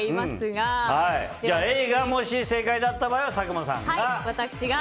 Ａがもし正解だった場合は佐久間さんが。